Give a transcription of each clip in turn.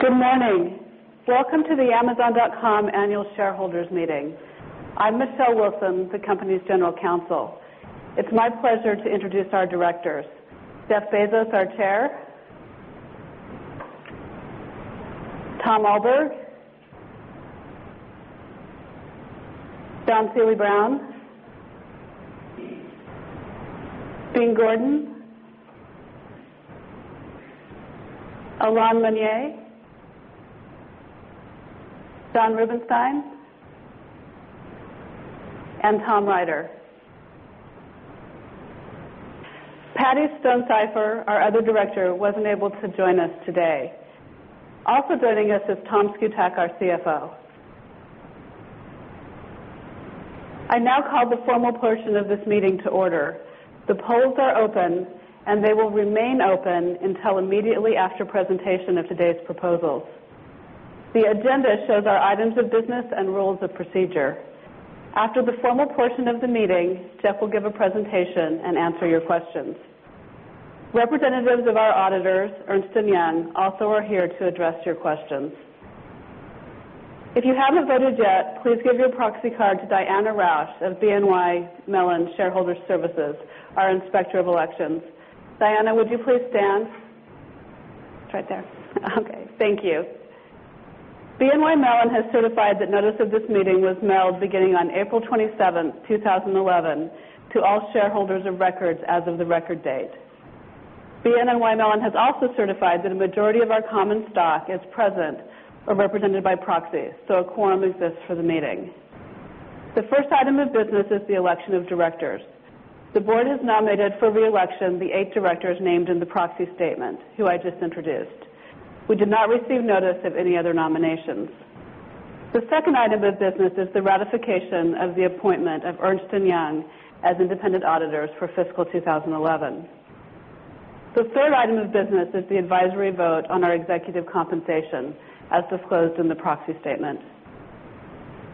Good morning. Welcome to the amazon.com Annual Shareholders Meeting. I'm Michelle Wilson, the company's General Counsel. It's my pleasure to introduce our directors: Jeff Bezos, our Chair; Tom Alberg; John Seely Brown; Dean Gordon; Jaron Lanier; Jon Rubinstein and Tom Ryder. Patty Stonesifer, our other director, wasn't able to join us today. Also joining us is Tom Szkutak, our CFO. I now call the formal portion of this meeting to order. The polls are open, and they will remain open until immediately after presentation of today's proposals. The agenda shows our items of business and rules of procedure. After the formal portion of the meeting, Jeff will give a presentation and answer your questions. Representatives of our auditors, Ernst & Young, also are here to address your questions. If you haven't voted yet, please give your proxy card to Diana Rausch of BNY Mellon Shareholder Services, our inspector of elections. Diana, would you please stand? It's right there. Okay, thank you. BNY Mellon has certified that notice of this meeting was mailed beginning on April 27, 2011, to all shareholders of record as of the record date. BNY Mellon has also certified that a majority of our common stock is present or represented by proxy, so a quorum exists for the meeting. The first item of business is the election of directors. The board has nominated for reelection the eight directors named in the proxy statement, who I just introduced. We did not receive notice of any other nominations. The second item of business is the ratification of the appointment of Ernst & Young as independent auditors for fiscal 2011. The third item of business is the advisory vote on our executive compensation, as disclosed in the proxy statement.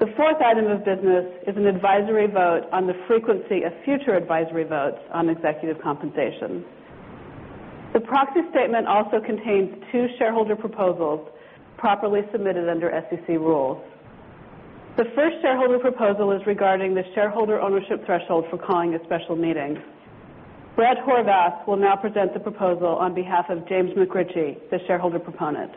The fourth item of business is an advisory vote on the frequency of future advisory votes on executive compensation. The proxy statement also contains two shareholder proposals properly submitted under SEC rules. The first shareholder proposal is regarding the shareholder ownership threshold for calling at special meetings. Brett Horvath will now present the proposal on behalf of James Mcritchie, the shareholder proponent.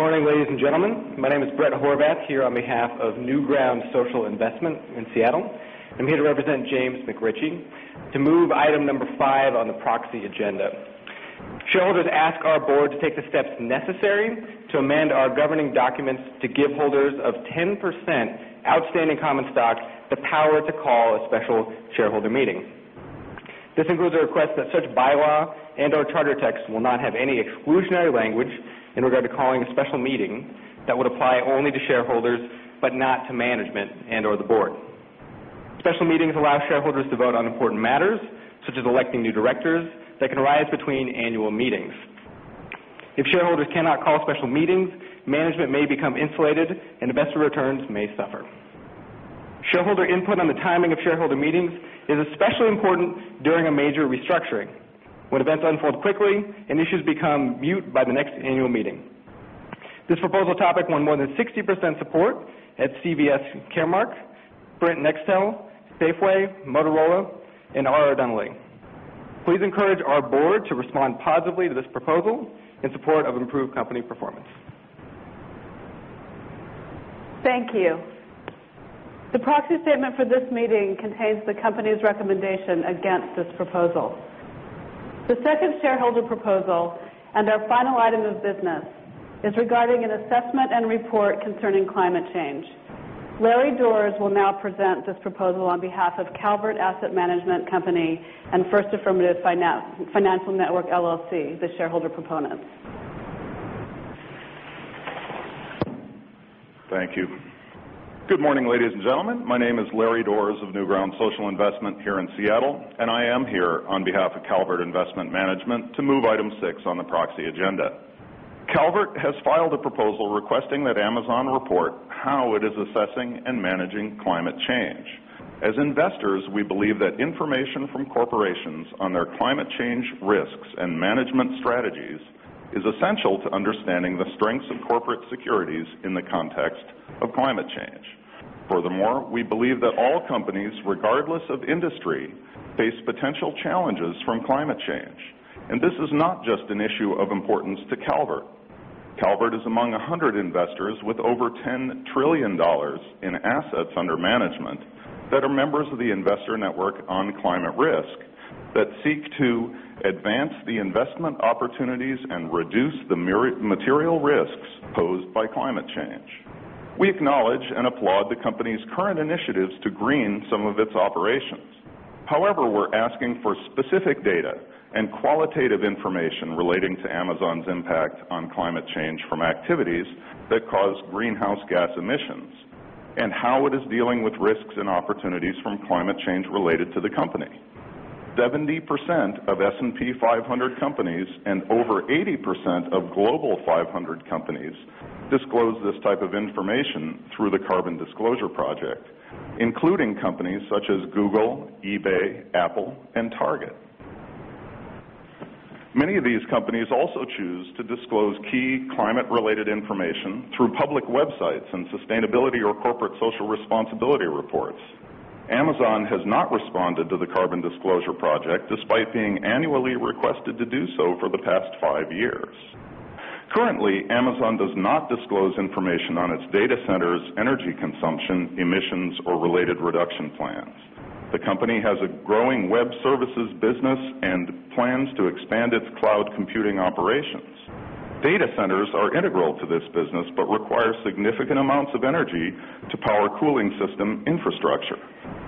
Good morning, ladies and gentlemen. My name is Brett Horvath, here on behalf of Newground Social Investment in Seattle. I'm here to represent James Mcritchie to move item number five on the proxy agenda. Shareholders ask our board to take the steps necessary to amend our governing documents to give holders of 10% outstanding common stock the power to call a special shareholder meeting. This includes a request that such bylaw and/or charter text will not have any exclusionary language in regard to calling a special meeting that would apply only to shareholders, but not to management and/or the board. Special meetings allow shareholders to vote on important matters, such as electing new directors, that can arise between annual meetings. If shareholders cannot call special meetings, management may become insulated, and investor returns may suffer. Shareholder input on the timing of shareholder meetings is especially important during a major restructuring, when events unfold quickly and issues become moot by the next annual meeting. This proposal topic won more than 60% support at CVS Caremark, Sprint Nextel, Safeway, Motorola, and R.R. Donnelley. Please encourage our board to respond positively to this proposal in support of improved company performance. Thank you. The proxy statement for this meeting contains the company's recommendation against this proposal. The second shareholder proposal and our final item of business is regarding an assessment and report concerning climate change. ` the shareholder proponents. Thank you. Good morning, ladies and gentlemen. My name is Larry Dohrs of Newground Social Investment here in Seattle, and I am here on behalf of Calvert Asset Management Company to move Item 6 on the proxy agenda. Calvert has filed a proposal requesting that Amazon report how it is assessing and managing climate change. As investors, we believe that information from corporations on their Climate Change Risks and Management Strategies is essential to understanding the strengths of corporate securities in the context of climate change. Furthermore, we believe that all companies, regardless of industry, face potential challenges from climate change, and this is not just an issue of importance to Calvert. Calvert is among 100 investors with over $10 trillion in assets under management that are members of the investor network on climate risk that seek to advance the investment opportunities and reduce the material risks posed by climate change. We acknowledge and applaud the company's current initiatives to green some of its operations. However, we're asking for specific data and qualitative information relating to Amazon's impact on climate change from activities that cause greenhouse gas emissions and how it is dealing with risks and opportunities from climate change related to the company. 70% of S&P 500 companies and over 80% of Global 500 companies disclose this type of information through the Carbon Disclosure Project, including companies such as Google, eBay, Apple, and Target. Many of these companies also choose to disclose key climate-related information through public websites and sustainability or corporate social responsibility reports. Amazon has not responded to the Carbon Disclosure Project despite being annually requested to do so for the past five years. Currently, Amazon does not disclose information on its data centers, energy consumption, emissions, or related reduction plans. The company has a growing Web Services business and plans to expand its cloud computing operations. Data centers are integral to this business but require significant amounts of energy to power cooling system infrastructure.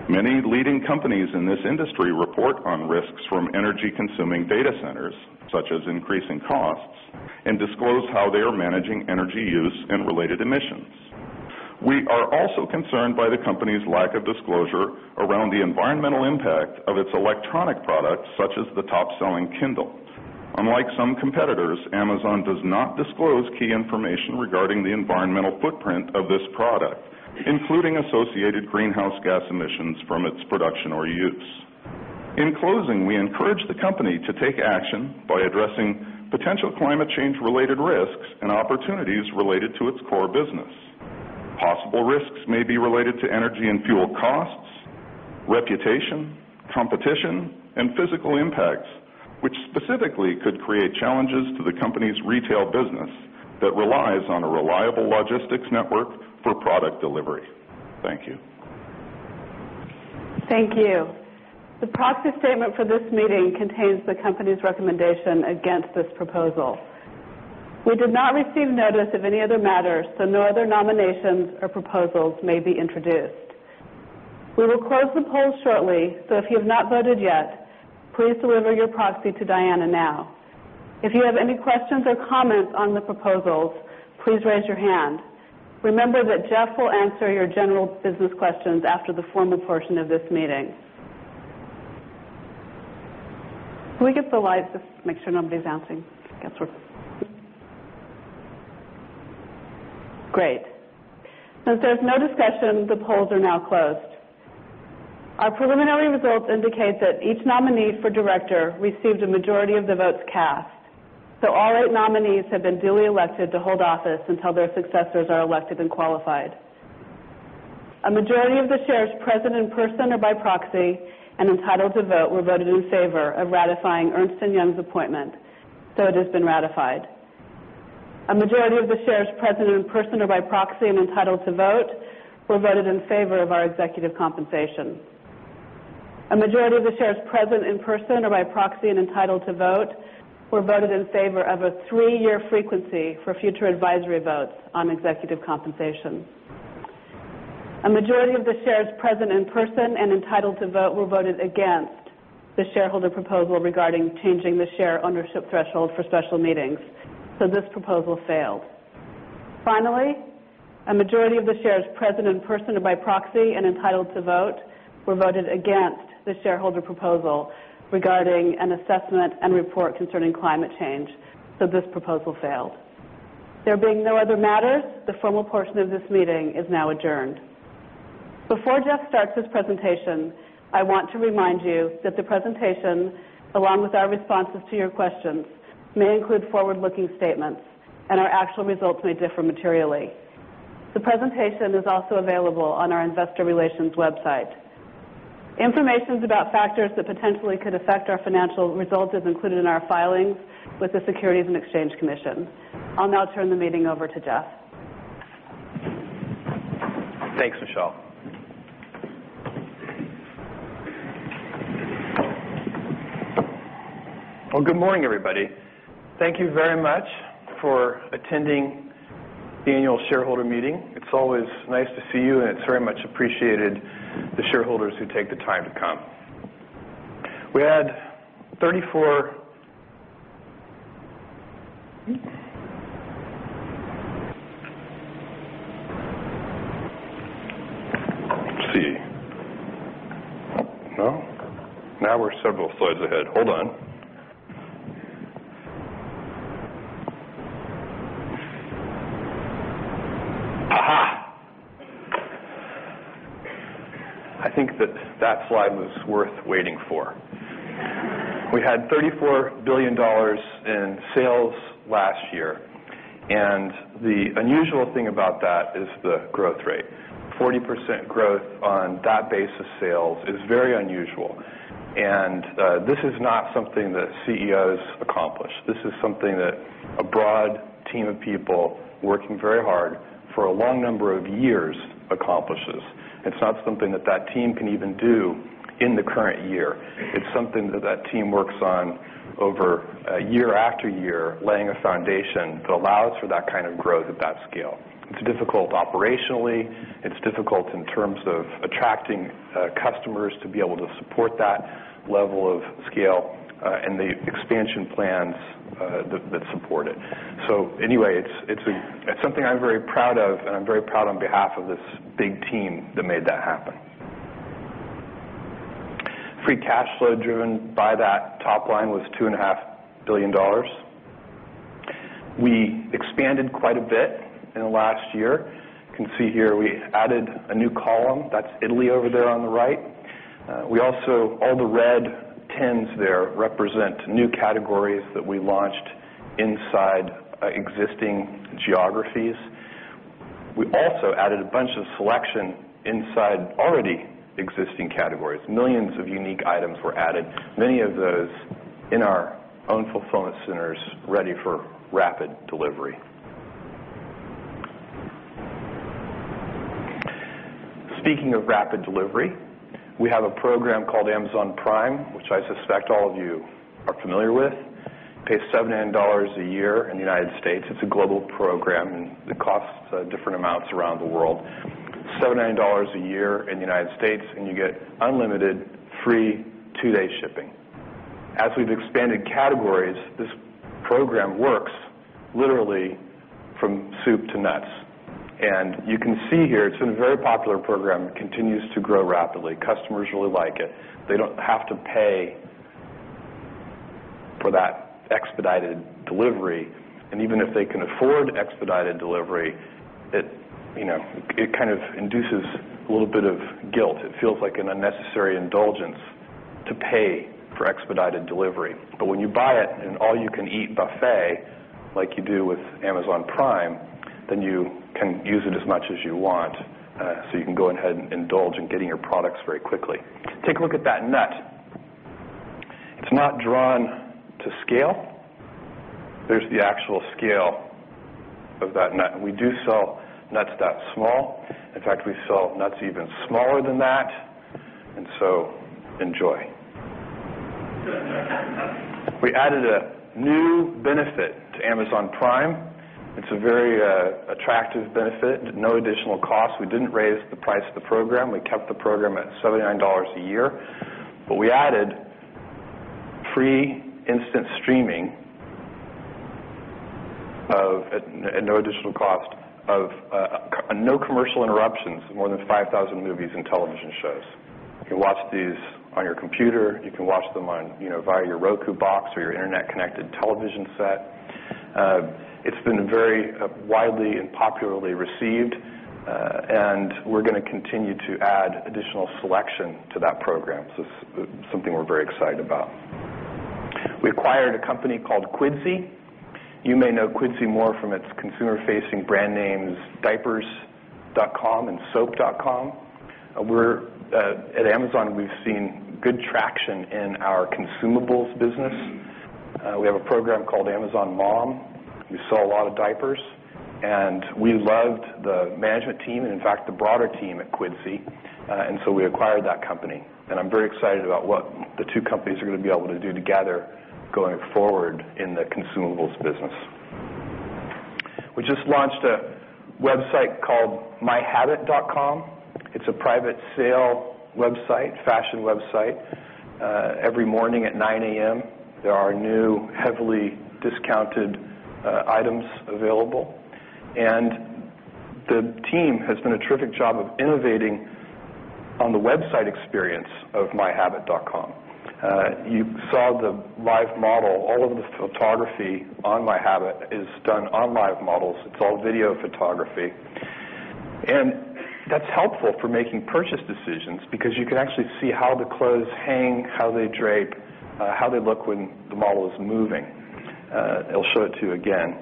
Many leading companies in this industry report on risks from energy-consuming data centers, such as increasing costs, and disclose how they are managing energy use and related emissions. We are also concerned by the company's lack of disclosure around the environmental impact of its electronic products, such as the top-selling Kindle. Unlike some competitors, Amazon does not disclose key information regarding the environmental footprint of this product, including associated greenhouse gas emissions from its production or use. In closing, we encourage the company to take action by addressing potential climate change-related risks and opportunities related to its core business. Possible risks may be related to energy and fuel costs, reputation, competition, and physical impacts, which specifically could create challenges to the company's retail business that relies on a reliable logistics network for product delivery. Thank you. Thank you. The proxy statement for this meeting contains the company's recommendation against this proposal. We did not receive notice of any other matters, so no other nominations or proposals may be introduced. We will close the polls shortly, though if you have not voted yet, please deliver your proxy to Diana now. If you have any questions or comments on the proposals, please raise your hand. Remember that Jeff will answer your general business questions after the formal portion of this meeting. Can we get the lights off? Make sure nobody's answering. Great. Since there's no discussion, the polls are now closed. Our preliminary results indicate that each nominee for director received a majority of the votes cast, so all eight nominees have been duly elected to hold office until their successors are elected and qualified. A majority of the shares present in person or by-proxy and entitled to vote were voted in favor of ratifying Ernst & Young's appointment, so it has been ratified. A majority of the shares present in person or by-proxy and entitled to vote were voted in favor of our executive compensation. A majority of the shares present in person or by-proxy and entitled to vote were voted in favor of a three-year frequency for future advisory votes on executive compensation. A majority of the shares present in person and entitled to vote were voted against the shareholder proposal regarding changing the share ownership threshold for special meetings, so this proposal failed. Finally, a majority of the shares present in person or by-proxy and entitled to vote were voted against the shareholder proposal regarding an assessment and report concerning climate change, so this proposal failed. There being no other matters, the formal portion of this meeting is now adjourned. Before Jeff starts his presentation, I want to remind you that the presentation, along with our responses to your questions, may include forward-looking statements, and our actual results may differ materially. The presentation is also available on our Investor Relations website. Information about factors that potentially could affect our financial results is included in our filings with the Securities and Exchange Commission. I'll now turn the meeting over to Jeff. Thanks, Michelle. Good morning, everybody. Thank you very much for attending the annual shareholder meeting. It's always nice to see you, and it's very much appreciated the shareholders who take the time to come. We had $34 billion in sales last year, and the unusual thing about that is the growth rate. 40% growth on that base of sales is very unusual, and this is not something that CEOs accomplish. This is something that a broad team of people working very hard for a long number of years accomplishes. It's not something that that team can even do in the current year. It's something that that team works on over year after year, laying a foundation that allows for that kind of growth at that scale. It's difficult operationally. It's difficult in terms of attracting customers to be able to support that level of scale and the expansion plans that support it. Anyway, it's something I'm very proud of, and I'm very proud on behalf of this big team that made that happen. Free cash flow driven by that top line was $2.5 billion. We expanded quite a bit in the last year. You can see here we added a new column. That's Italy over there on the right. All the red tins there represent new categories that we launched inside existing geographies. We also added a bunch of selection inside already existing categories. Millions of unique items were added, many of those in our own fulfillment centers ready for rapid delivery. Speaking of rapid delivery, we have a program called Amazon Prime, which I suspect all of you are familiar with. It pays $7 million a year in the United States. It's a global program, and it costs different amounts around the world. $7 million a year in the United States, and you get unlimited, free, two-day shipping. As we've expanded categories, this program works literally from soup to nuts. You can see here, it's been a very popular program. It continues to grow rapidly. Customers really like it. They don't have to pay for that expedited delivery. Even if they can afford expedited delivery, it kind of induces a little bit of guilt. It feels like an unnecessary indulgence to pay for expedited delivery. When you buy it in an all-you-can-eat buffet like you do with Amazon Prime, then you can use it as much as you want. You can go ahead and indulge in getting your products very quickly. Take a look at that nut. It's not drawn to scale. There's the actual scale of that nut. We do sell nuts that small. In fact, we sell nuts even smaller than that. Enjoy. We added a new benefit to Amazon Prime. It's a very attractive benefit. No additional cost. We didn't raise the price of the program. We kept the program at $79 a year. We added free instant streaming at no additional cost of no commercial interruptions of more than 5,000 movies and television shows. You can watch these on your computer. You can watch them via your Roku box or your internet-connected television set. It's been very widely and popularly received, and we're going to continue to add additional selection to that program. It's something we're very excited about. We acquired a company called Quidsy. You may know Quidsy more from its consumer-facing brand names diapers.com and soap.com. At Amazon, we've seen good traction in our consumables business. We have a program called Amazon Mom. We sell a lot of diapers, and we loved the management team and, in fact, the broader team at Quidsy. We acquired that company, and I'm very excited about what the two companies are going to be able to do together going forward in the consumables business. We just launched a website called myhabit.com. It's a private sale website, fashion website. Every morning at 9:00 A.M., there are new heavily discounted items available, and the team has done a terrific job of innovating on the website experience of myhabit.com. You saw the live model. All of the photography on myhabit is done on live models. It's all video photography, and that's helpful for making purchase decisions because you can actually see how the clothes hang, how they drape, how they look when the model is moving. It'll show it to you again.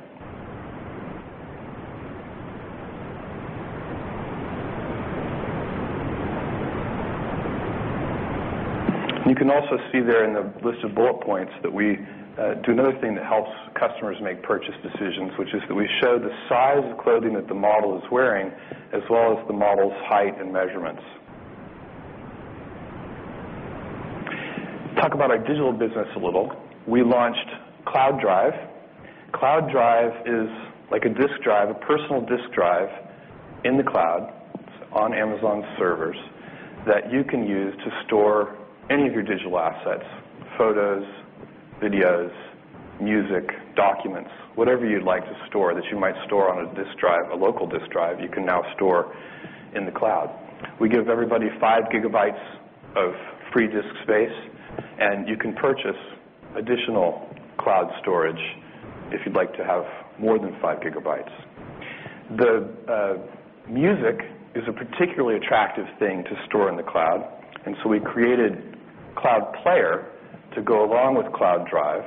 You can also see there in the list of bullet points that we do another thing that helps customers make purchase decisions, which is that we show the size of clothing that the model is wearing, as well as the model's height and measurements. Talk about our digital business a little. We launched Cloud Drive. Cloud Drive is like a disk drive, a personal disk drive in the cloud on Amazon's servers that you can use to store any of your digital assets: photos, videos, music, documents, whatever you'd like to store that you might store on a disk drive, a local disk drive, you can now store in the cloud. We give everybody 5 GB of free disk space, and you can purchase additional cloud storage if you'd like to have more than 5 GB. The music is a particularly attractive thing to store in the Cloud, and we created Cloud Player to go along with Cloud Drive.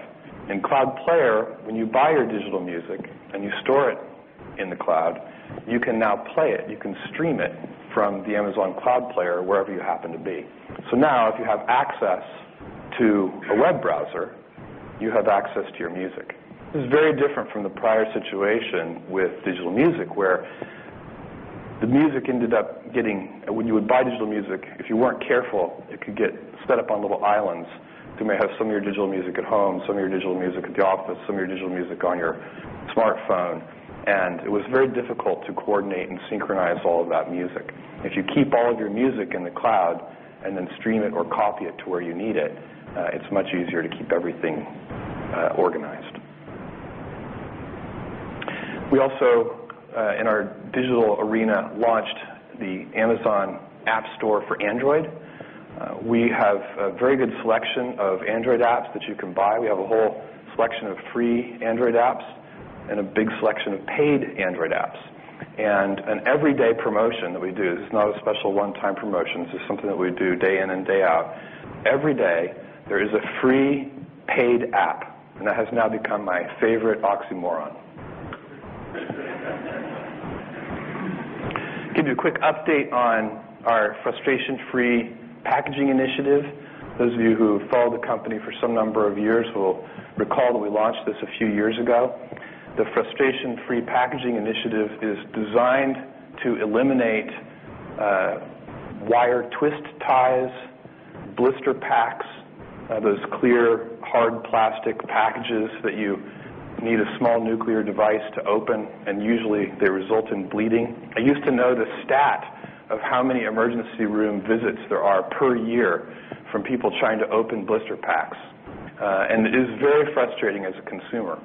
In Cloud Player, when you buy your digital music and you store it in the Cloud, you can now play it. You can stream it from the Amazon Cloud Player wherever you happen to be. If you have access to a web browser, you have access to your music. This is very different from the prior situation with digital music where the music ended up getting, when you would buy digital music, if you weren't careful, it could get set up on little islands. You may have some of your digital music at home, some of your digital music at the office, some of your digital music on your smartphone, and it was very difficult to coordinate and synchronize all of that music. If you keep all of your music in the cloud and then stream it or copy it to where you need it, it's much easier to keep everything organized. We also, in our digital arena, launched the Amazon Appstore for Android. We have a very good selection of Android apps that you can buy. We have a whole selection of free Android apps and a big selection of paid Android apps. An everyday promotion that we do, this is not a special one-time promotion. This is something that we do day-in and day-out. Every day, there is a free paid app, and that has now become my favorite oxymoron. Give you a quick update on our frustration-free packaging initiative. Those of you who followed the company for some number of years will recall that we launched this a few years ago. The frustration-free packaging initiative is designed to eliminate wire twist ties, blister packs, those clear, hard plastic packages that you need a small nuclear device to open, and usually they result in bleeding. I used to know the stat of how many emergency room visits there are per year from people trying to open blister packs, and it is very frustrating as a consumer.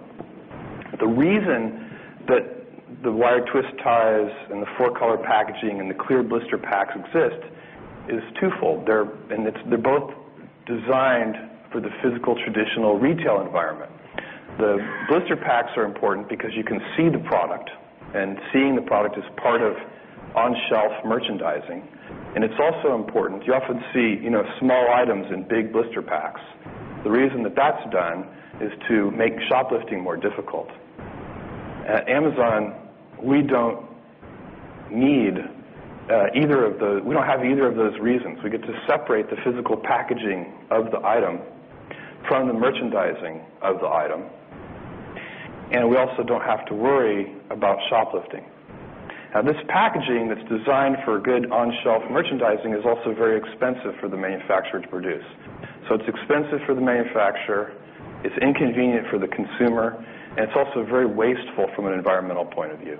The reason that the wire twist ties and the four-color packaging and the clear blister packs exist is twofold. They're both designed for the physical traditional retail environment. The blister packs are important because you can see the product, and seeing the product is part of on-shelf merchandising. It's also important. You often see, you know, small items in big blister packs. The reason that that's done is to make shoplifting more difficult. At Amazon, we don't need either of those, we don't have either of those reasons. We get to separate the physical packaging of the item from the merchandising of the item, and we also don't have to worry about shoplifting. This packaging that's designed for good on-shelf merchandising is also very expensive for the manufacturer to produce. It's expensive for the manufacturer, it's inconvenient for the consumer, and it's also very wasteful from an environmental point of view.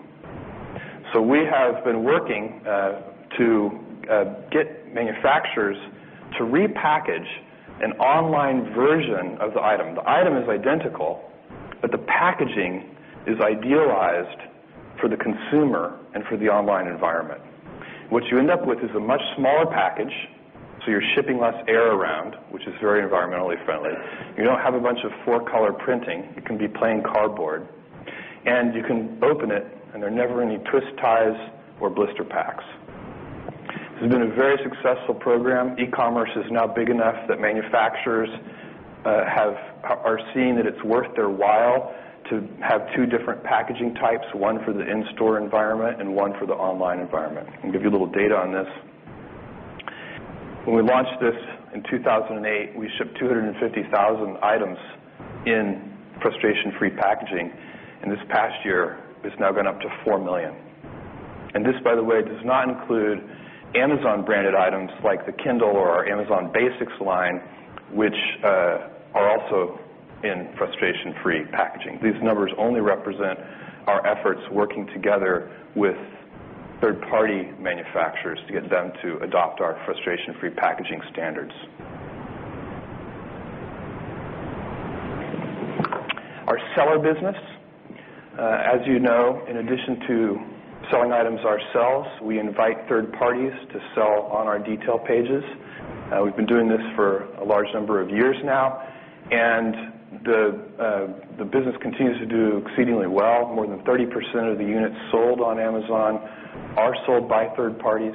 We have been working to get manufacturers to repackage an online version of the item. The item is identical, but the packaging is idealized for the consumer and for the online environment. What you end up with is a much smaller package, so you're shipping less air around, which is very environmentally friendly. You don't have a bunch of four-color printing. It can be plain cardboard, and you can open it, and there are never any twist ties or blister packs. This has been a very successful program. E-commerce is now big enough that manufacturers are seeing that it's worth their while to have two different packaging types, one for the in-store environment and one for the online environment. I'll give you a little data on this. When we launched this in 2008, we shipped 250,000 items in frustration-free packaging, and this past year, it's now gone up to 4 million. By the way, this does not include Amazon-branded items like the Kindle or our Amazon Basics line, which are also in frustration-free packaging. These numbers only represent our efforts working together with third-party manufacturers to get them to adopt our frustration-free packaging standards. Our seller business, as you know, in addition to selling items ourselves, we invite third-parties to sell on our detail pages. We've been doing this for a large number of years now, and the business continues to do exceedingly well. More than 30% of the units sold on Amazon are sold by third-parties.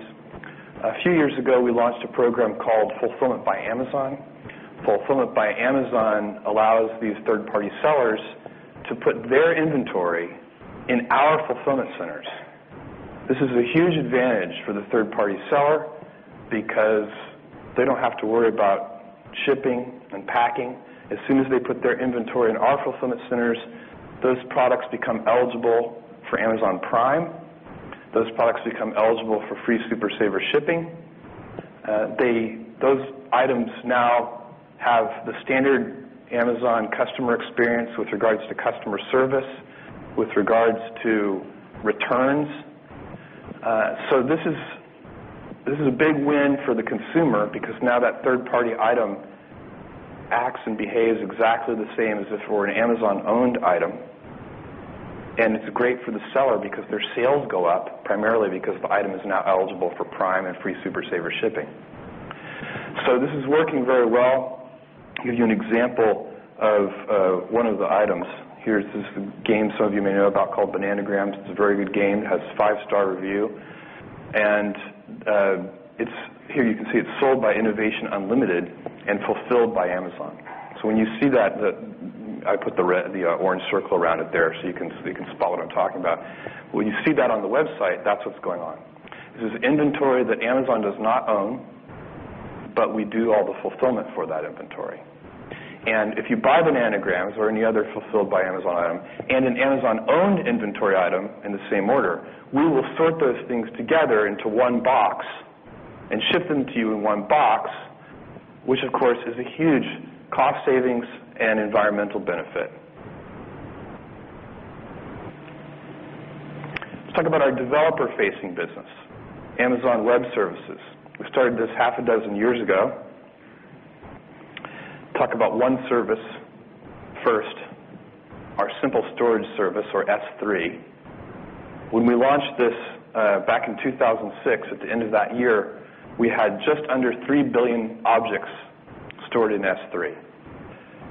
A few years ago, we launched a program called Fulfillment by Amazon. Fulfillment by Amazon allows these third-party sellers to put their inventory in our Fulfillment Centers. This is a huge advantage for the third-party seller because they don't have to worry about shipping and packing. As soon as they put their inventory in our fulfillment centers, those products become eligible for Amazon Prime. Those products become eligible for free Super Saver shipping. Those items now have the standard Amazon customer experience with regards to customer service, with regards to returns. This is a big win for the consumer because now that third-party item acts and behaves exactly the same as if it were an Amazon-owned item. It's great for the seller because their sales go up, primarily because the item is now eligible for Prime and free Super Saver shipping. This is working very well. I'll give you an example of one of the items. Here's this game some of you may know about called Bananagrams. It's a very good game. It has a five-star review. Here, you can see it's sold by Innovation Unlimited and fulfilled by Amazon. When you see that, I put the orange circle around it there so you can spot what I'm talking about. When you see that on the website, that's what's going on. This is inventory that Amazon does not own, but we do all the fulfillment for that inventory. If you buy Bananagrams or any other fulfilled by Amazon item and an Amazon-owned inventory item in the same order, we will sort those things together into one box and ship them to you in one box, which, of course, is a huge cost savings and environmental benefit. Let's talk about our developer-facing business, Amazon Web Services. We started this half a dozen years ago. Talk about one service first, our Simple Storage Service, or S3. When we launched this back in 2006, at the end of that year, we had just under 3 billion objects stored in S3.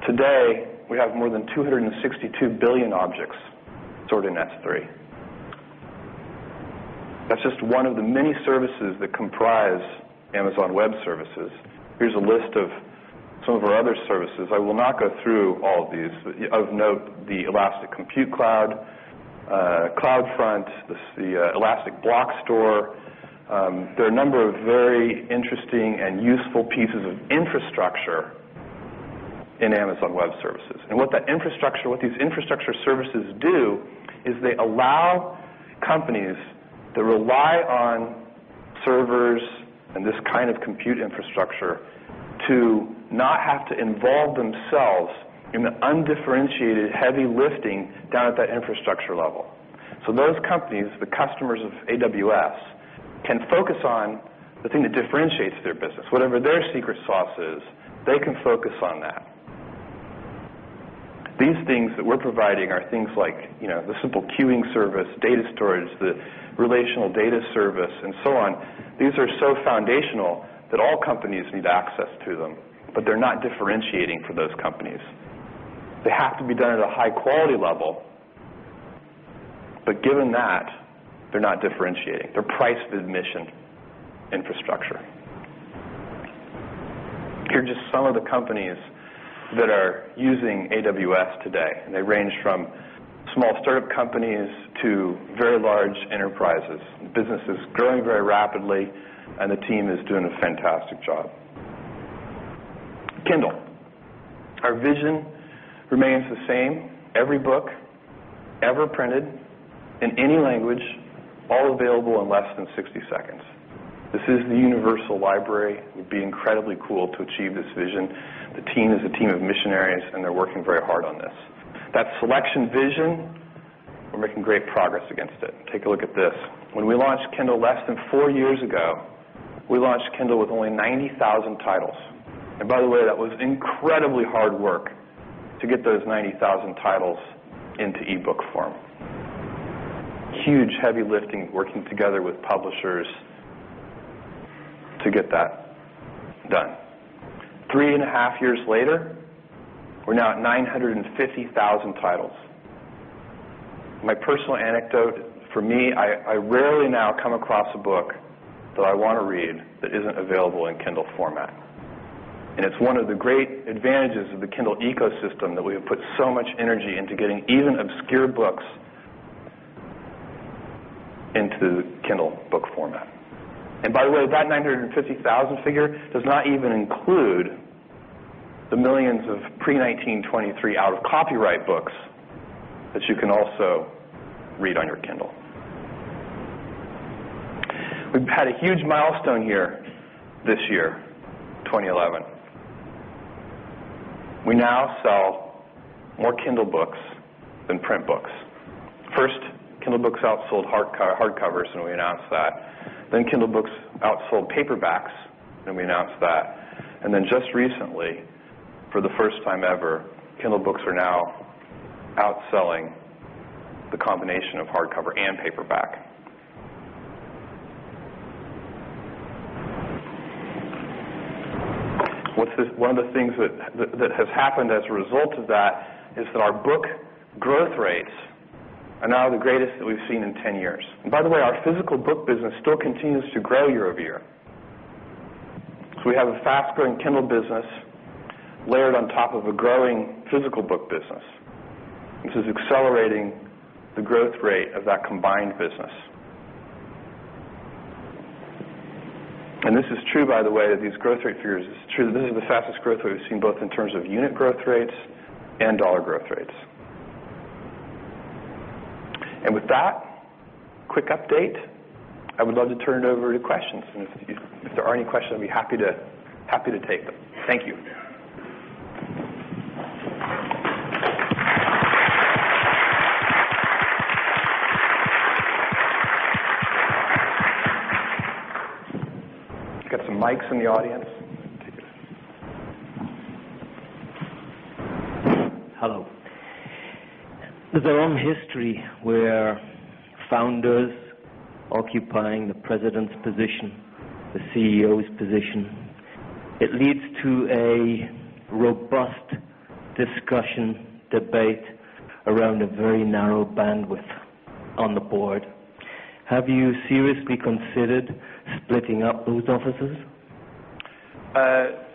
Today, we have more than 262 billion objects stored in S3. That's just one of the many services that comprise Amazon Web Services. Here's a list of some of our other services. I will not go through all of these. Of note, the Elastic Compute Cloud, CloudFront, the Elastic Block Store. There are a number of very interesting and useful pieces of infrastructure in Amazon Web Services. What these infrastructure services do is they allow companies that rely on servers and this kind of compute infrastructure to not have to involve themselves in the undifferentiated heavy lifting down at that infrastructure level. Those companies, the customers of AWS, can focus on the thing that differentiates their business. Whatever their secret sauce is, they can focus on that. These things that we're providing are things like the Simple Queuing Service, Data torage, the Relational Data Service, and so on. These are so foundational that all companies need access to them, but they're not differentiating for those companies. They have to be done at a high-quality level, but given that, they're not differentiating. They're priced with mission infrastructure. Here are just some of the companies that are using AWS today, and they range from small startup companies to very large enterprises. Business is growing very rapidly, and the team is doing a fantastic job. Kindle. Our vision remains the same: every book ever printed in any language, all available in less than 60 seconds. This is the universal library. It would be incredibly cool to achieve this vision. The team is a team of missionaries, and they're working very hard on this. That selection vision, we're making great progress against it. Take a look at this. When we launched Kindle less than four years ago, we launched Kindle with only 90,000 titles. By the way, that was incredibly hard work to get those 90,000 titles into e-book form. Huge heavy lifting working together with publishers to get that done. Three and a half years later, we're now at 950,000 titles. My personal anecdote for me, I rarely now come across a book that I want to read that isn't available in Kindle format. It's one of the great advantages of the Kindle ecosystem that we have put so much energy into getting even obscure books into Kindle book format. By the way, that 950,000 figure does not even include the millions of pre-1923 out-of-copyright books that you can also read on your Kindle. We've had a huge milestone here this year, 2011. We now sell more Kindle books than print books. First, Kindle books outsold hardcovers, and we announced that. Kindle books outsold paperbacks, and we announced that. Just recently, for the first time ever, Kindle books are now outselling the combination of hardcover and paperback. One of the things that has happened as a result of that is that our book growth rates are now the greatest that we've seen in 10 years. By the way, our physical book business still continues to grow year-over-year. We have a fast-growing Kindle business layered on top of a growing physical book business. This is accelerating the growth rate of that combined business. This is true, by the way, that these growth rate figures, it's true that this is the fastest growth rate we've seen both in terms of unit growth rates and dollar growth rates. With that quick update, I would love to turn it over to questions. If there are any questions, I'd be happy to take them. Thank you. We've got some mics in the audience. Hello. There's a long history where founders occupying the President's position, the CEO's position, it leads to a robust discussion, debate around a very narrow bandwidth on the board. Have you seriously considered splitting up those offices? Are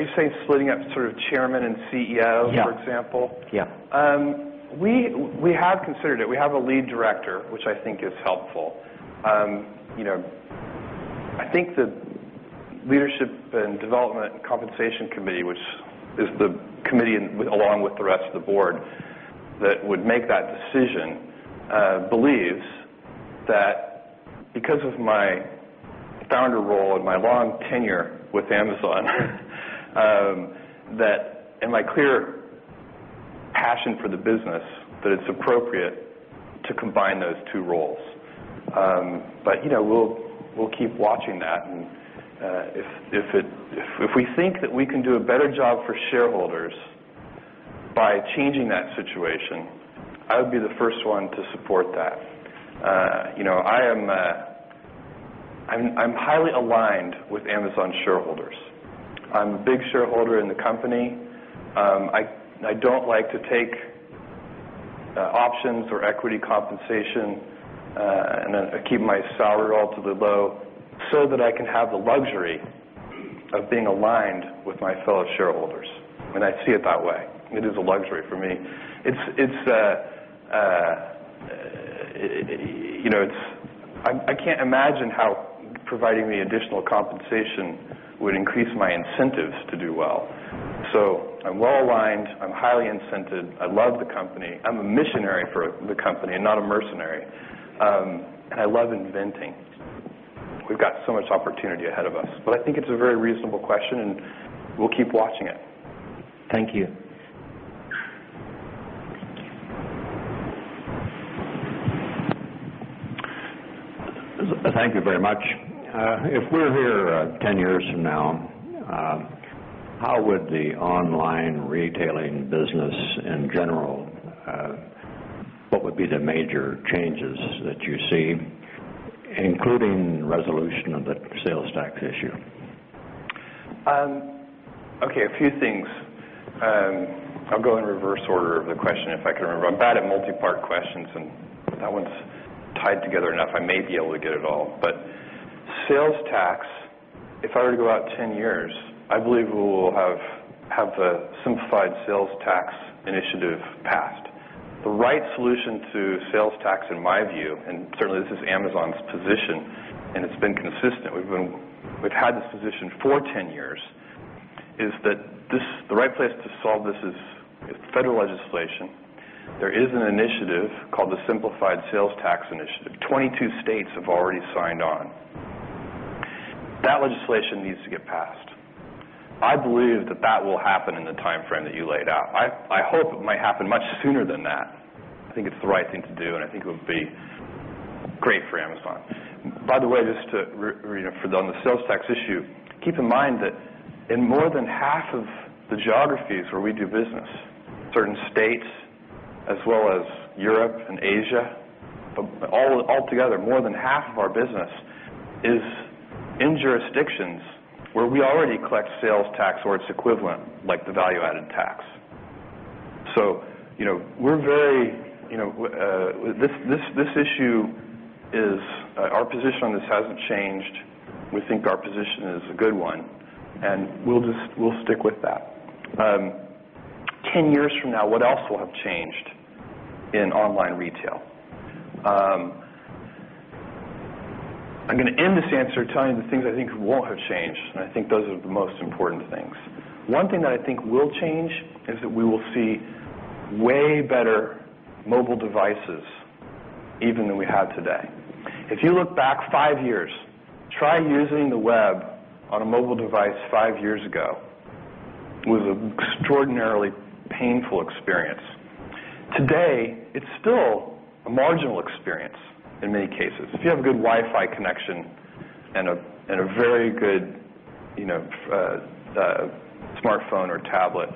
you saying splitting up sort of Chairman and CEO, for example? Yeah. We have considered it. We have a lead director, which I think is helpful. I think the Leadership and Development Compensation Committee, which is the committee along with the rest of the Board that would make that decision, believes that because of my founder role and my long tenure with Amazon, and my clear passion for the business, that it's appropriate to combine those two roles. We will keep watching that. If we think that we can do a better job for shareholders by changing that situation, I would be the first one to support that. I'm highly aligned with Amazon shareholders. I'm a big shareholder in the company. I don't like to take options or equity compensation and then keep my salary relatively low so that I can have the luxury of being aligned with my fellow shareholders. I see it that way. It is a luxury for me. I can't imagine how providing the additional compensation would increase my incentives to do well. I'm well aligned. I'm highly incented. I love the company. I'm a missionary for the company and not a mercenary. I love inventing. We've got so much opportunity ahead of us. I think it's a very reasonable question, and we'll keep watching it. Thank you. Thank you very much. If we're here 10 years from now, how would the online retailing business in general, what would be the major changes that you see, including resolution of the sales tax issue? Okay, a few things. I'll go in reverse order of the question if I can remember. I'm bad at multi-part questions, and that one's tied together enough. I may be able to get it all. If I were to go out 10 years, I believe we will have the Simplified Sales Tax Initiative passed. The right solution to sales tax, in my view, and certainly this is Amazon's position, and it's been consistent. We've had this position for 10 years, is that the right place to solve this is Federal egislation. There is an initiative called the Simplified Sales Tax Initiative. 22 states have already signed on. That legislation needs to get passed. I believe that that will happen in the timeframe that you laid out. I hope it might happen much sooner than that. I think it's the right thing to do, and I think it would be great for Amazon. By the way, for the sales tax issue, keep in mind that in more than half of the geographies where we do business, certain states as well as Europe and Asia, but altogether, more than half of our business is in jurisdictions where we already collect sales tax or its equivalent, like the value-added tax. We're very, you know, this issue is our position on this hasn't changed. We think our position is a good one, and we'll just stick with that. 10 years from now, what else will have changed in online retail? I'm going to end this answer telling you the things I think won't have changed, and I think those are the most important things. One thing that I think will change is that we will see way better mobile devices even than we have today. If you look back five years, try using the web on a mobile device five years ago was an extraordinarily painful experience. Today, it's still a marginal experience in many cases. If you have a good Wi-Fi connection and a very good smartphone or tablet,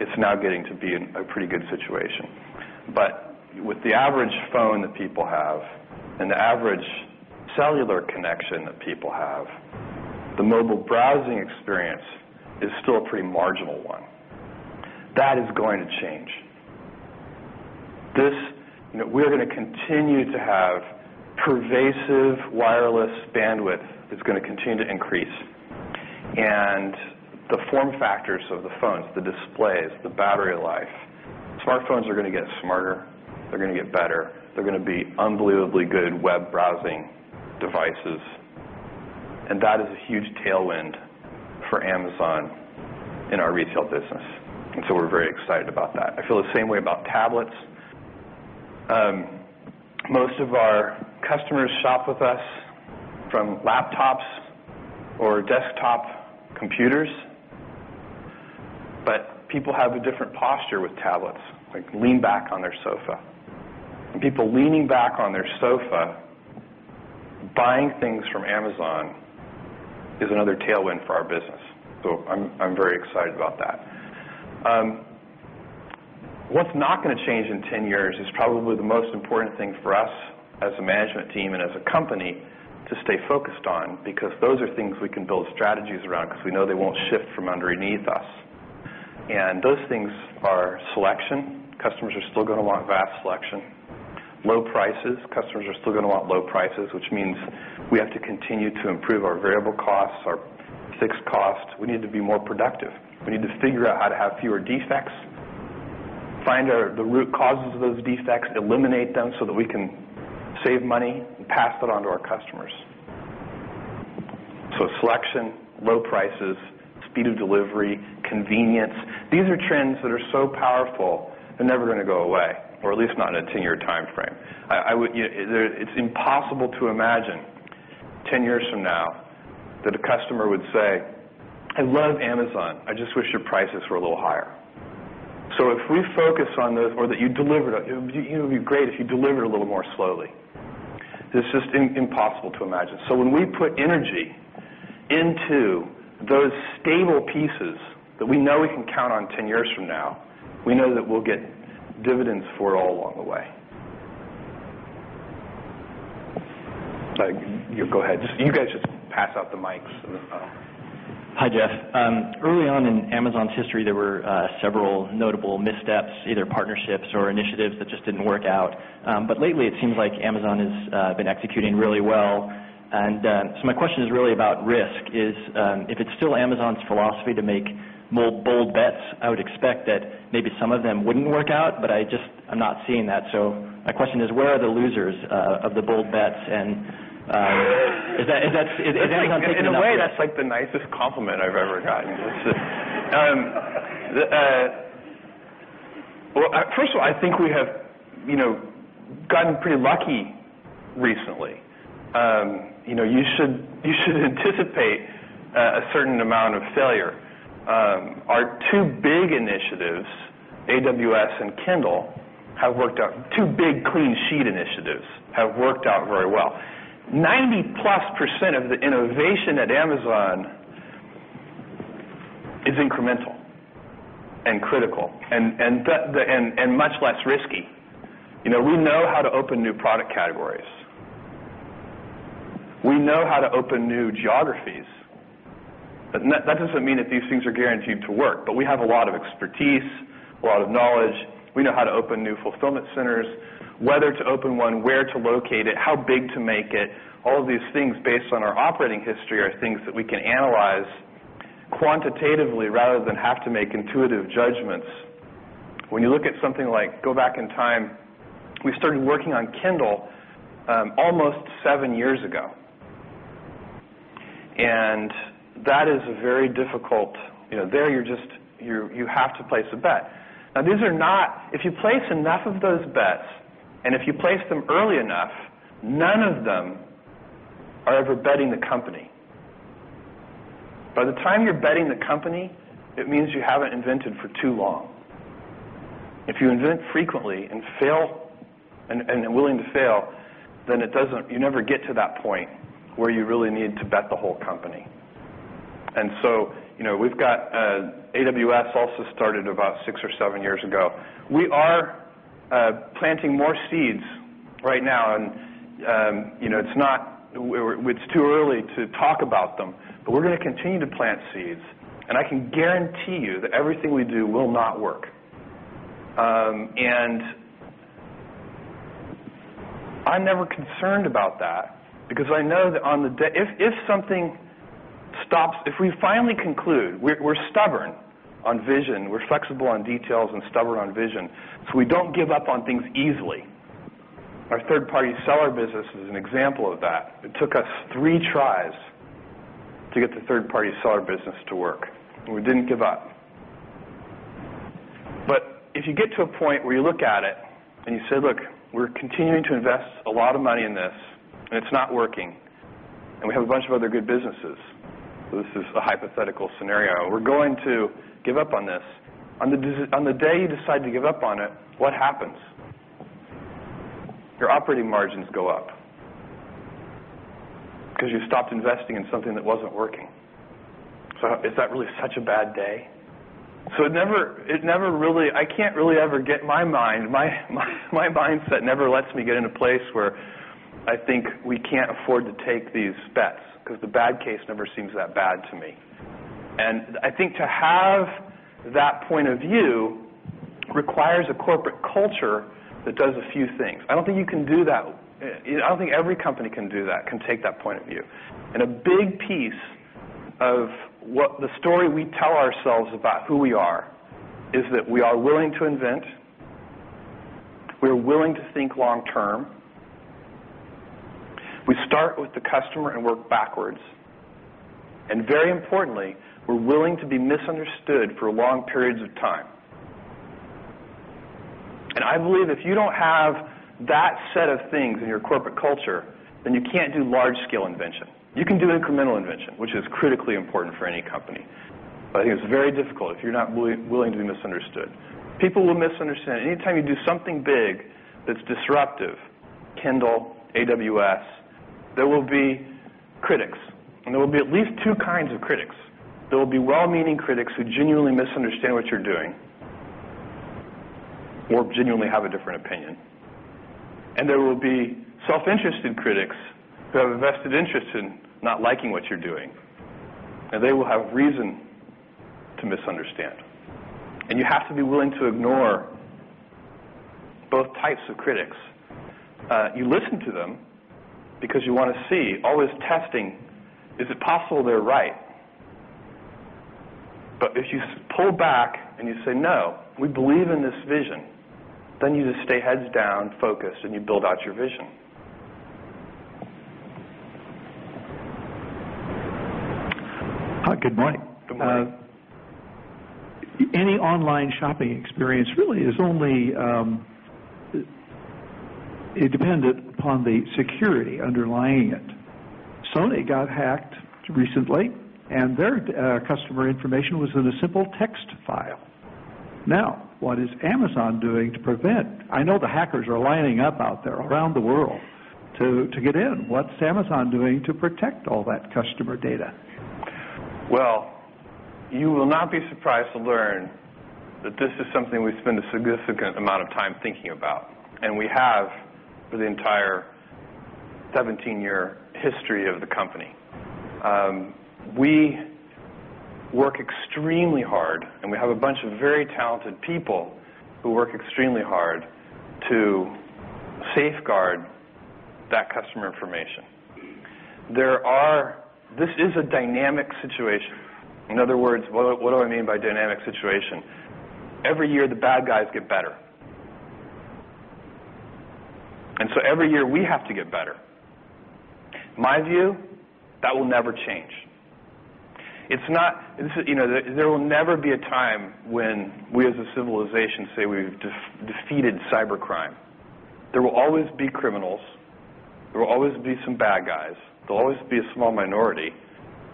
it's now getting to be a pretty good situation. With the average phone that people have and the average cellular connection that people have, the mobile browsing experience is still a pretty marginal one. That is going to change. We are going to continue to have pervasive wireless bandwidth that's going to continue to increase. The form factors of the phones, the displays, the battery life, smartphones are going to get smarter. They're going to get better. They're going to be unbelievably good web browsing devices. That is a huge tailwind for Amazon in our retail business. We are very excited about that. I feel the same way about tablets. Most of our customers shop with us from laptops or desktop computers. People have a different posture with tablets, like leaning back on their sofa. People leaning back on their sofa, buying things from Amazon, is another tailwind for our business. I am very excited about that. What is not going to change in 10 years is probably the most important thing for us as a management team and as a company to stay focused on because those are things we can build strategies around since we know they will not shift from underneath us. Those things are selection. Customers are still going to want vast selection. Low prices. Customers are still going to want low prices, which means we have to continue to improve our variable costs, our fixed cost. We need to be more productive. We need to figure out how to have fewer defects, find out the root causes of those defects, eliminate them so that we can save money and pass that on to our customers. Selection, low prices, speed of delivery, convenience—these are trends that are so powerful. They are never going to go away, or at least not in a 10-year timeframe. It is impossible to imagine 10 years from now that a customer would say, "I love Amazon. I just wish your prices were a little higher." If we focus on those, or that you delivered, it would be great if you delivered a little more slowly. It is just impossible to imagine. When we put energy into those stable pieces that we know we can count on 10 years from now, we know that we will get dividends for it all along the way. You go ahead. You guys just pass out the mics. Hi, Jeff. Early on in Amazon's history, there were several notable missteps, either partnerships or initiatives that just didn't work out. Lately, it seems like Amazon has been executing really well. My question is really about risk. If it's still Amazon's philosophy to make bold bets, I would expect that maybe some of them wouldn't work out. I'm not seeing that. My question is, where are the losers of the bold bets? Is Amazon taking the win? By the way, that's like the nicest compliment I've ever gotten. First of all, I think we have gotten pretty lucky recently. You should anticipate a certain amount of failure. Our two big initiatives, AWS and Kindle, have worked out. Two big clean sheet initiatives have worked out very well. 90+% of the innovation at Amazon is incremental and critical and much less risky. You know, we know how to open new product categories. We know how to open new geographies. That doesn't mean that these things are guaranteed to work, but we have a lot of expertise, a lot of knowledge. We know how to open new fulfillment centers, whether to open one, where to locate it, how big to make it. All of these things, based on our operating history, are things that we can analyze quantitatively rather than have to make intuitive judgments. When you look at something like go back in time, we started working on Kindle almost seven years ago. That is a very difficult, you know, there you have to place a bet. Now, these are not, if you place enough of those bets, and if you place them early enough, none of them are ever betting the company. By the time you're betting the company, it means you haven't invented for too long. If you invent frequently and fail, and are willing to fail, then you never get to that point where you really need to bet the whole company. You know, we've got AWS also started about six or seven years ago. We are planting more seeds right now, and you know, it's too early to talk about them, but we're going to continue to plant seeds, and I can guarantee you that everything we do will not work. I'm never concerned about that because I know that on the day, if something stops, if we finally conclude, we're stubborn on vision. We're flexible on details and stubborn on vision. We don't give up on things easily. Our third-party seller business is an example of that. It took us three tries to get the third-party seller business to work. We didn't give up. If you get to a point where you look at it and you say, "Look, we're continuing to invest a lot of money in this, and it's not working, and we have a bunch of other good businesses." This is a hypothetical scenario. We're going to give up on this. On the day you decide to give up on it, what happens? Your operating margins go up because you stopped investing in something that wasn't working. Is that really such a bad day? It never really, I can't really ever get my mind, my mindset never lets me get in a place where I think we can't afford to take these bets because the bad case never seems that bad to me. I think to have that point of view requires a corporate culture that does a few things. I don't think you can do that. I don't think every company can do that, can take that point of view. A big piece of what the story we tell ourselves about who we are is that we are willing to invent. We are willing to think long-term. We start with the customer and work backwards. Very importantly, we're willing to be misunderstood for long periods of time. I believe if you don't have that set of things in your corporate culture, then you can't do large-scale invention. You can do incremental invention, which is critically important for any company. I think it's very difficult if you're not willing to be misunderstood. People will misunderstand. Anytime you do something big that's disruptive, Kindle, AWS, there will be critics. There will be at least two kinds of critics. There will be well-meaning critics who genuinely misunderstand what you're doing or genuinely have a different opinion. There will be self-interested critics who have a vested interest in not liking what you're doing. They will have reason to misunderstand. You have to be willing to ignore both types of critics. You listen to them because you want to see all this testing, is it possible they're right? If you pull back and you say, "No, we believe in this vision," you just stay heads down, focused, and you build out your vision. Hi, good morning. Good morning. Any online shopping experience really is only, it depends upon the security underlying it. Sony got hacked recently, and their customer information was in a simple text file. Now, what is Amazon doing to prevent? I know the hackers are lining up out there around the world to get in. What's Amazon doing to protect all that customer data? This is something we spend a significant amount of time thinking about, and we have for the entire 17-year history of the company. We work extremely hard, and we have a bunch of very talented people who work extremely hard to safeguard that customer information. This is a dynamic situation. In other words, what do I mean by dynamic situation? Every year, the bad guys get better, and every year, we have to get better. My view is that will never change. There will never be a time when we as a civilization say we've defeated cybercrime. There will always be criminals. There will always be some bad guys. There will always be a small minority,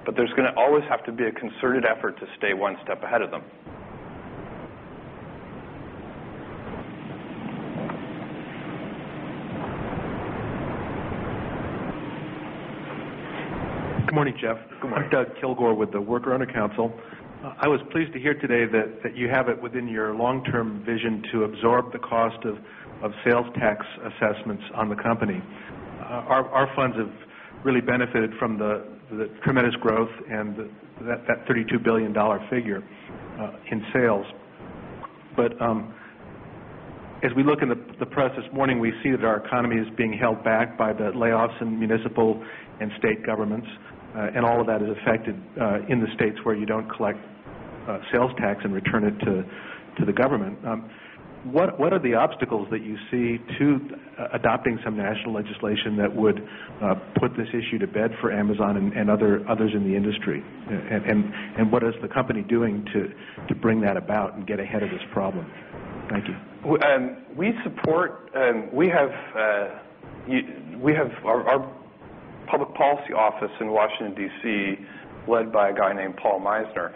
but there's going to always have to be a concerted effort to stay one step ahead of them. Good morning, Jeff. Good morning. I'm Doug Kilgore with the Worker Owner Council. I was pleased to hear today that you have it within your long-term vision to absorb the cost of sales tax assessments on the company. Our funds have really benefited from the tremendous growth and that $32 billion figure in sales. As we look in the press this morning, we see that our economy is being held back by the layoffs in municipal and state governments, and all of that is affected in the states where you don't collect sales tax and return it to the government. What are the obstacles that you see to adopting some national legislation that would put this issue to bed for Amazon and others in the industry? What is the company doing to bring that about and get ahead of this problem? Thank you. We have our Public Policy office in Washington, D.C., led by a guy named Paul Meisner.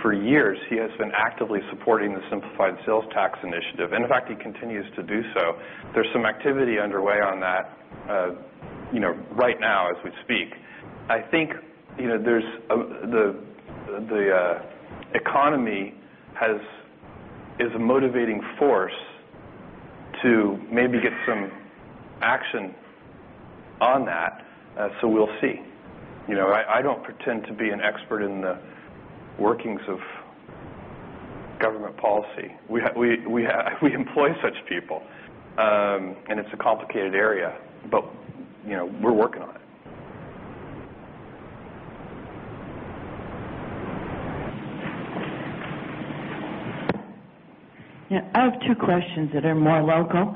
For years, he has been actively supporting the Simplified Sales Tax Initiative. In fact, he continues to do so. There is some activity underway on that right now as we speak. I think the economy is a motivating force to maybe get some action on that. We will see. I do not pretend to be an expert in the workings of government policy. We employ such people, and it is a complicated area, but you know we're working on it. I have two questions that are more local.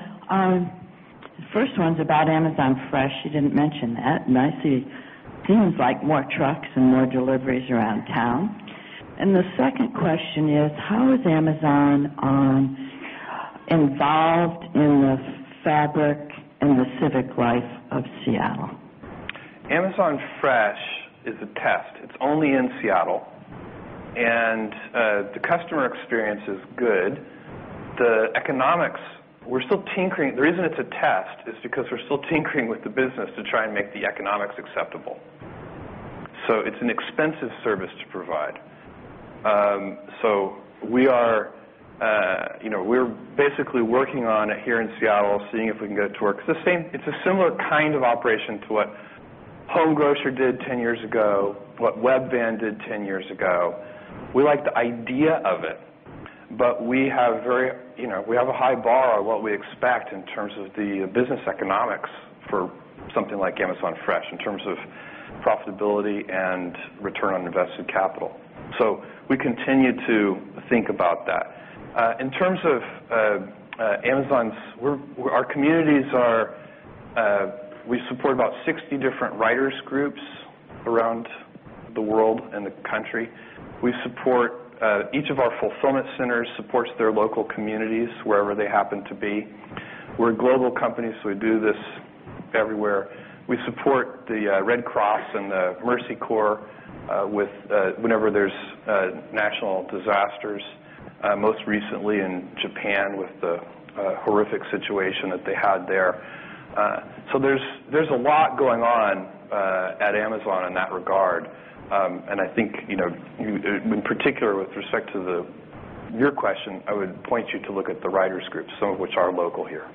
The first one's about Amazon Fresh. You didn't mention that. I see it seems like more trucks and more deliveries around town. The second question is, how is Amazon involved in the fabric and the civic life of Seattle? Amazon Fresh is a test. It's only in Seattle, and the customer experience is good. The economics, we're still tinkering. The reason it's a test is because we're still tinkering with the business to try and make the economics acceptable. It's an expensive service to provide. We're basically working on it here in Seattle, seeing if we can get it to work. It's a similar kind of operation to what Home Grocer did 10 years ago, what Webvan did 10 years ago. We like the idea of it, but we have a high bar of what we expect in terms of the business economics for something like Amazon Fresh in terms of profitability and return on invested capital. We continue to think about that. In terms of Amazon's, our communities are, we support about 60 different writers' groups around the world and the country. Each of our fulfillment centers supports their local communities wherever they happen to be. We're a global company, so we do this everywhere. We support the Red Cross and the Mercy Corps whenever there's national disasters, most recently in Japan with the horrific situation that they had there. There's a lot going on at Amazon in that regard. In particular with respect to your question, I would point you to look at the writers' groups, some of which are local here.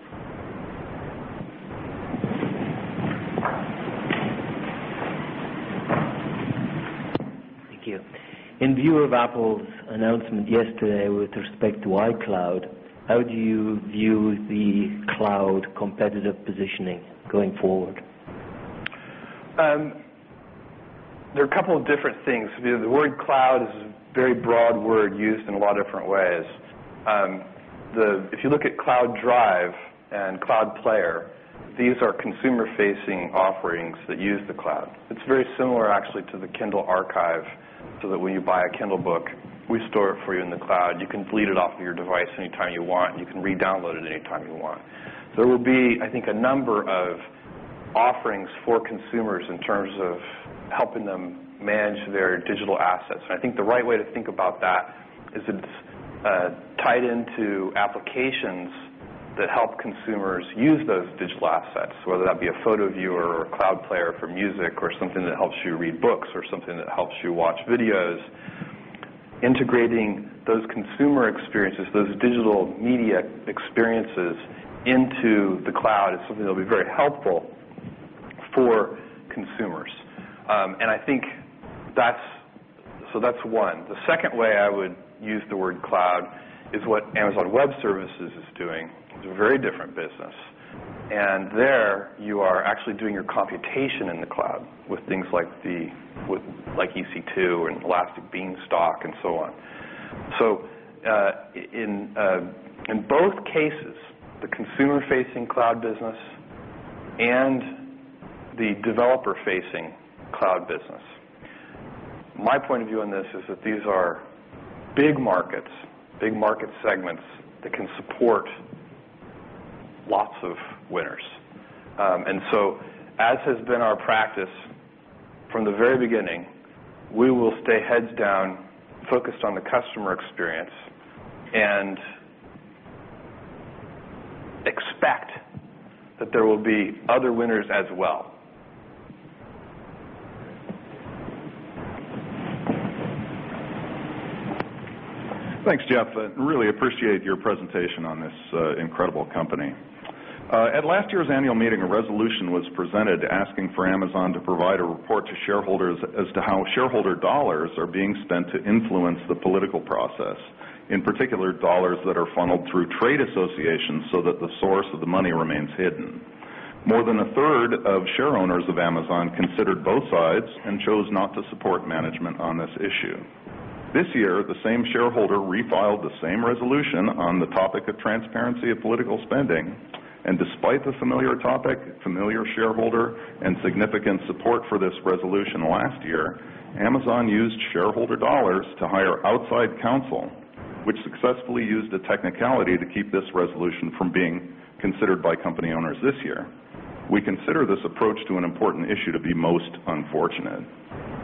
Thank you. In view of Apple's announcement yesterday with respect to iCloud, how do you view the Cloud competitive positioning going forward? There are a couple of different things. The word Cloud is a very broad word used in a lot of different ways. If you look at Cloud Drive and Cloud Player, these are consumer-facing offerings that use the Cloud. It's very similar, actually, to the Kindle archive so that when you buy a Kindle book, we store it for you in the Cloud. You can delete it off of your device anytime you want, and you can redownload it anytime you want. There will be, I think, a number of offerings for consumers in terms of helping them manage their digital assets. I think the right way to think about that is it's tied into applications that help consumers use those digital assets, whether that be a photo viewer or a Cloud Player for music or something that helps you read books or something that helps you watch videos. Integrating those consumer experiences, those digital media experiences into the Cloud is something that will be very helpful for consumers. That's one. The second way I would use the word Cloud is what Amazon Web Services is doing. It's a very different business. There you are actually doing your computation in the Cloud with things like EC2 and Elastic Beanstalk and so on. In both cases, the consumer-facing Cloud business and the developer-facing Cloud business, my point of view on this is that these are big markets, big market segments that can support lots of winners. As has been our practice from the very beginning, we will stay heads down, focused on the customer experience, and expect that there will be other winners as well. Thanks, Jeff. I really appreciate your presentation on this incredible company. At last year's annual meeting, a resolution was presented asking for Amazon to provide a report to shareholders as to how shareholder dollars are being spent to influence the political process, in particular dollars that are funneled through trade associations so that the source of the money remains hidden. More than a 1/3 of shareowners of Amazon considered both sides and chose not to support management on this issue. This year, the same shareholder refiled the same resolution on the topic of transparency of political spending. Despite the familiar topic, familiar shareholder, and significant support for this resolution last year, Amazon used shareholder dollars to hire outside counsel, which successfully used a technicality to keep this resolution from being considered by company owners this year. We consider this approach to an important issue to be most unfortunate.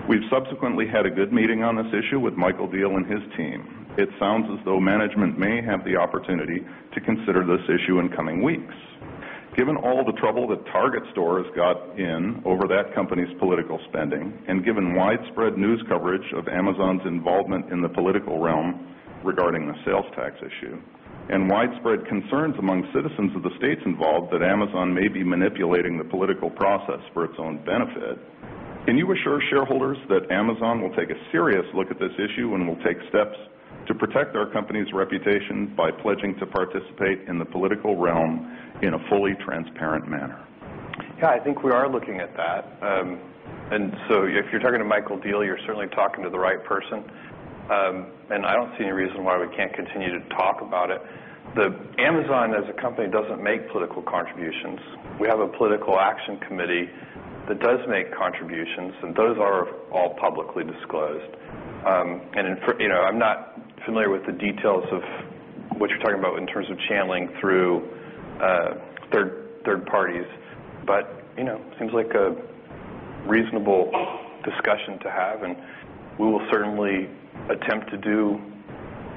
We've subsequently had a good meeting on this issue with Michael Diehl and his team. It sounds as though management may have the opportunity to consider this issue in coming weeks. Given all the trouble that Target Store has gotten in over that company's political spending, and given widespread news coverage of Amazon's involvement in the political realm regarding the sales tax issue, and widespread concerns among citizens of the states involved that Amazon may be manipulating the political process for its own benefit, can you assure shareholders that Amazon will take a serious look at this issue and will take steps to protect our company's reputation by pledging to participate in the political realm in a fully transparent manner? I think we are looking at that. If you're talking to Michael Diehl, you're certainly talking to the right person. I don't see any reason why we can't continue to talk about it. Amazon, as a company, doesn't make political contributions. We have a political action committee that does make contributions, and those are all publicly disclosed. I'm not familiar with the details of what you're talking about in terms of channeling through third-parties, but it seems like a reasonable discussion to have. We will certainly attempt to do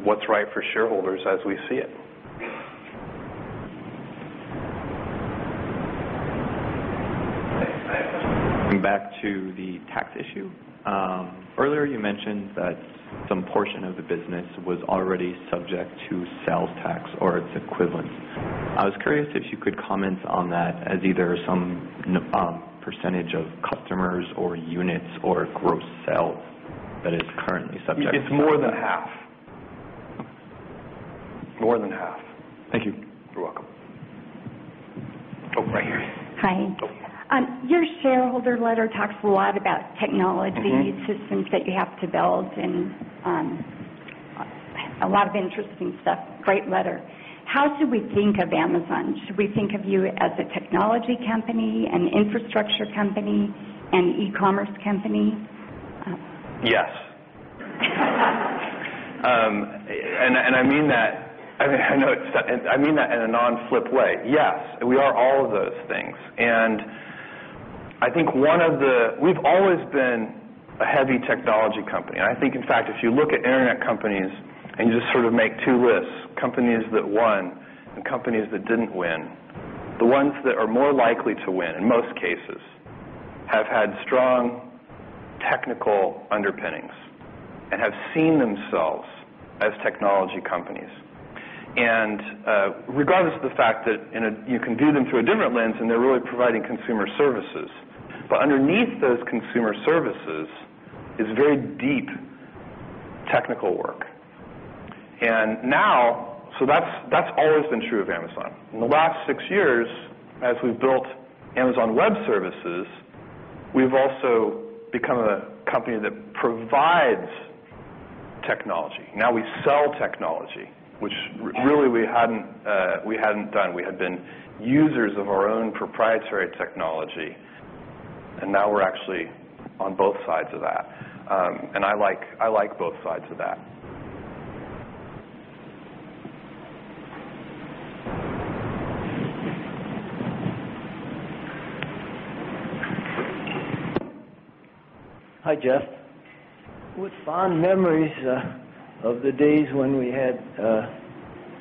what's right for shareholders as we see it. Back to the tax issue, earlier you mentioned that some portion of the business was already subject to sales tax or its equivalent. I was curious if you could comment on that as either some percentage of customers or units or gross sales that it's currently subject to. It's more than half, more than half. Thank you. You're welcome. Hi. Your shareholder letter talks a lot about technology systems that you have to build, and a lot of interesting stuff. Great letter. How should we think of Amazon? Should we think of you as a technology company, an infrastructure company, an e-commerce company? Yes. I mean that, I know it's done. I mean that in a non-flip way. Yes, we are all of those things. I think one of the, we've always been a heavy technology company. In fact, if you look at Internet companies and you just sort of make two lists, companies that won and companies that didn't win, the ones that are more likely to win in most cases have had strong technical underpinnings and have seen themselves as technology companies. Regardless of the fact that you can view them through a different lens and they're really providing consumer services, underneath those consumer services is very deep technical work. That's always been true of Amazon. In the last six years, as we've built Amazon Web Services, we've also become a company that provides technology. Now we sell technology, which really we hadn't done. We had been users of our own proprietary technology. Now we're actually on both sides of that. I like both sides of that. Hi, Jeff. With fond memories of the days when we had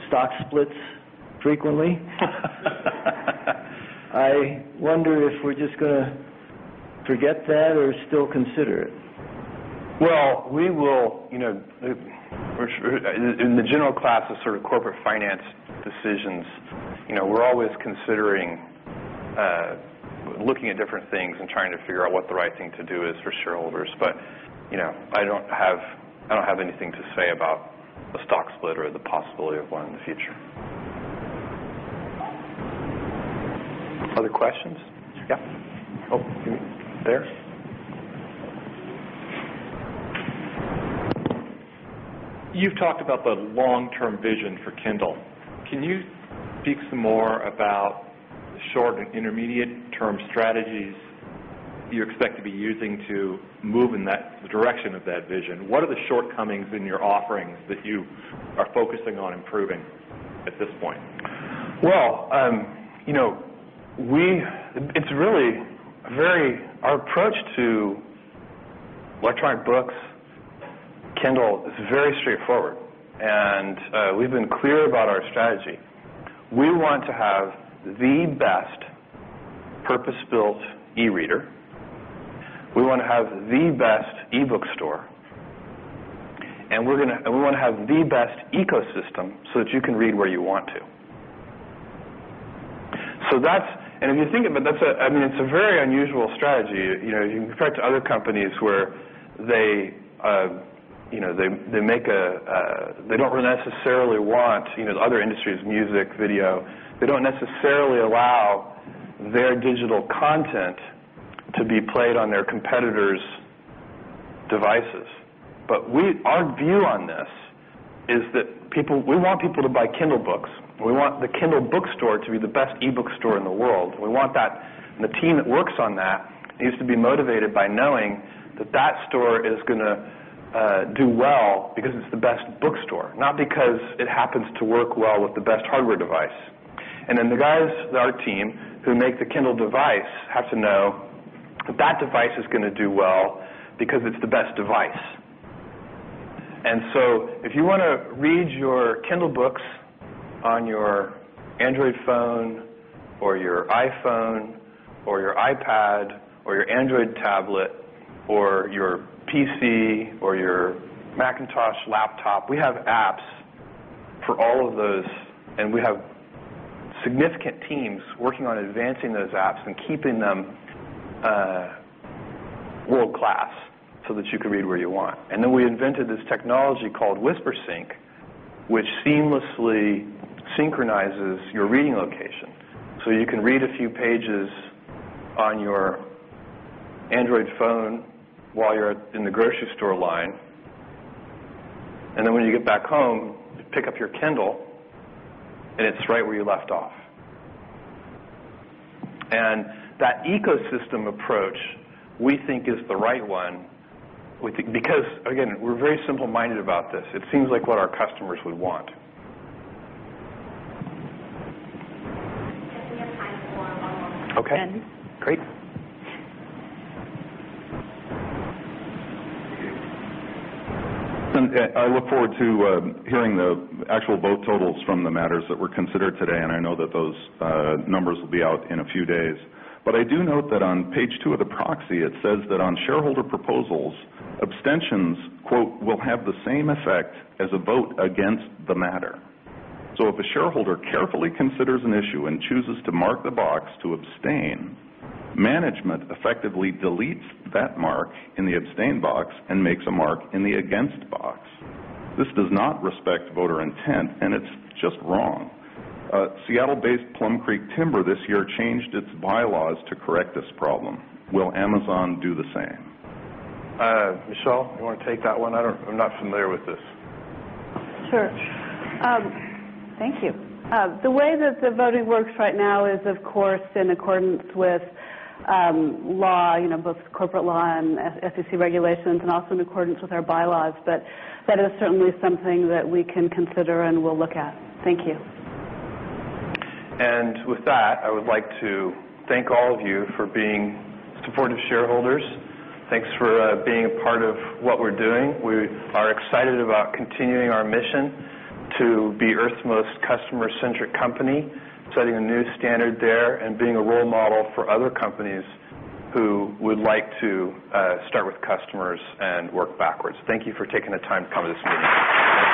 stock splits frequently, I wonder if we're just going to forget that or still consider it. In the general class of sort of corporate finance decisions, you know, we're always considering looking at different things and trying to figure out what the right thing to do is for shareholders. I don't have anything to say about a stock split or the possibility of one in the future. Other questions? Yeah. Oh, see me there. You've talked about the long-term vision for Kindle. Can you speak some more about the short and intermediate-term strategies you expect to be using to move in the direction of that vision? What are the shortcomings in your offerings that you are focusing on improving at this point? Our approach to electronic books, Kindle, is very straightforward. We've been clear about our strategy. We want to have the best purpose-built e-reader. We want to have the best e-book store. We want to have the best ecosystem so that you can read where you want to. If you think of it, it's a very unusual strategy. You can compare it to other companies where they don't necessarily want the other industries, music, video. They don't necessarily allow their digital content to be played on their competitors' devices. Our view on this is that we want people to buy Kindle books. We want the Kindle bookstore to be the best e-book store in the world. We want that. The team that works on that needs to be motivated by knowing that that store is going to do well because it's the best bookstore, not because it happens to work well with the best hardware device. The team who make the Kindle device have to know that that device is going to do well because it's the best device. If you want to read your Kindle books on your Android phone or your iPhone or your iPad or your Android tablet or your PC or your Macintosh laptop, we have apps for all of those. We have significant teams working on advancing those apps and keeping them world-class so that you can read where you want. We invented this technology called Whispersync, which seamlessly synchronizes your reading location. You can read a few pages on your Android phone while you're in the grocery store line. When you get back home, you pick up your Kindle, and it's right where you left off. That ecosystem approach, we think, is the right one. We think because, again, we're very simple-minded about this. It seems like what our customers would want. Great. I look forward to hearing the actual vote totals from the matters that were considered today. I know that those numbers will be out in a few days. I do note that on page two of the proxy, it says that on shareholder proposals, abstentions "Will have the same effect as a vote against the matter." If a shareholder carefully considers an issue and chooses to mark the box to abstain, management effectively deletes that mark in the abstain box and makes a mark in the against box. This does not respect voter intent, and it's just wrong. Seattle-based Plum Creek Timber this year changed its bylaws to correct this problem. Will Amazon do the same? Michelle, you want to take that one? I'm not familiar with this. Sure. Thank you. The way that the voting works right now is, of course, in accordance with law, both corporate law and SEC regulations, and also in accordance with our bylaws. That is certainly something that we can consider and we'll look at. Thank you. I would like to thank all of you for being supportive shareholders. Thanks for being a part of what we're doing. We are excited about continuing our mission to be Earth's most customer-centric company, setting a new standard there, and being a role model for other companies who would like to start with customers and work backwards. Thank you for taking the time to come to this meeting.